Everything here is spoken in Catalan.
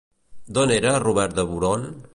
D'on era Robert de Boron?